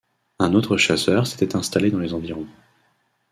Un autre chasseur s'était installé dans les environs.